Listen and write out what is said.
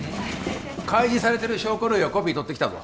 開示されてる証拠類はコピー取ってきたぞ